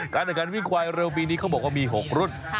การแข่งขันวิ่งควายเร็วปีนี้เขาบอกว่ามี๖รุ่น